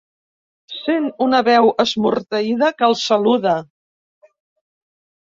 Sent una veu esmorteïda que el saluda.